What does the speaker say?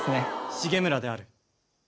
「重村である」